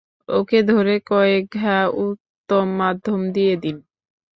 ওকে ধরে কয়েক ঘা উত্তম-মাধ্যম দিয়ে দিন।